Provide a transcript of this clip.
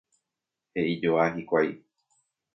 he'ijoa hikuái